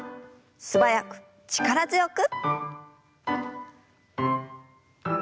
素早く力強く。